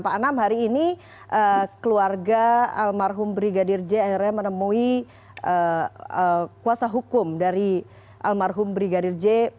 pak anam hari ini keluarga almarhum brigadir jr menemui kuasa hukum dari almarhum brigadir j